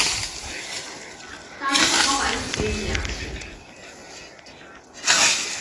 তারা সবাই বেঁচে আছে।